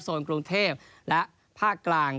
กรุงเทพและภาคกลาง